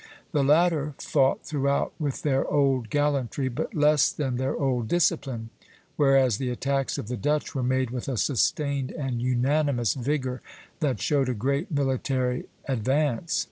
The latter fought throughout with their old gallantry, but less than their old discipline; whereas the attacks of the Dutch were made with a sustained and unanimous vigor that showed a great military advance.